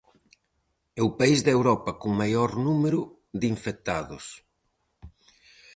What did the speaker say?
E o país de Europa con maior número de infectados.